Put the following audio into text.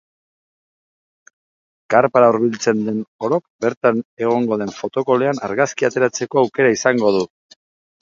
Karpara hurbiltzen den orok bertan egongo den photocall-ean argazkiak ateratzeko aukera izango du.